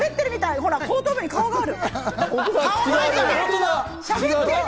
ほら後頭部に顔がある！